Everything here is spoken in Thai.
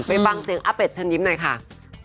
ไปฟังเสียงอาเป็ดเชิญยิ้มหน่อยค่ะ